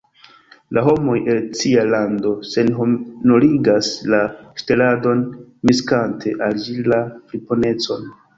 La homoj el cia lando senhonorigas la ŝteladon, miksante al ĝi la friponecon.